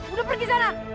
udah pergi sana